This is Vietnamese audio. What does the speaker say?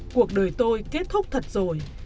cuộc đời tôi kết thúc thật rồi